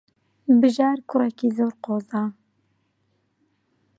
بژار کوڕێکی زۆر قۆزە.